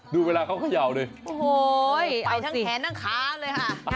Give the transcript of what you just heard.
ดูเวลาเขาเขย่าเลยโอ้โฮเอาสิไปทั้งแผนนั่งค้าเลยฮะ